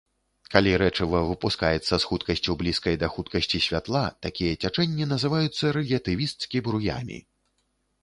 Калі рэчыва выпускаецца з хуткасцю, блізкай да хуткасці святла, такія цячэнні называюцца рэлятывісцкі бруямі.